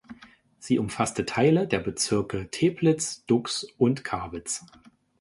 Sie umfasste Teile der Bezirke Teplitz, Dux und Karbitz.